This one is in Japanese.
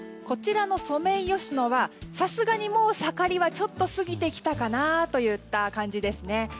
こちらのソメイヨシノはさすがにもう、盛りはちょっと過ぎてきたかなといった感じですね。